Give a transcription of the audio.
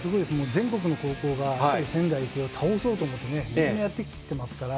全国の高校がやっぱり仙台育英を倒そうと思って、みんなやってきてますから。